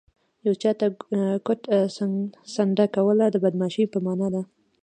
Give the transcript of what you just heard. یو چاته ګوت څنډنه کول د بدماشۍ په مانا ده